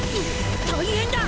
大変だ！